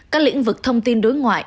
các lĩnh vực thông tin đối ngoại